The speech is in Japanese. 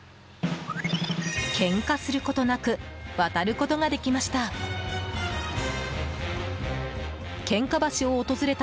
ケンカすることなく渡ることができました。